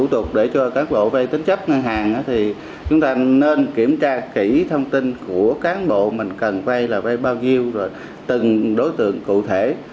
sau đó thì cán bộ tín dụng cho cán bộ vay tính chấp ngân hàng thì chúng ta nên kiểm tra kỹ thông tin của cán bộ mình cần vay là vay bao nhiêu rồi từng đối tượng cụ thể